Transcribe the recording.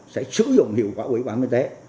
sẽ sử dụng hiệu quả của ủy quản y tế